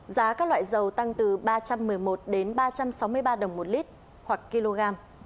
giá các loại dầu tăng từ ba trăm một mươi một đến ba trăm sáu mươi ba đồng một lít hoặc kg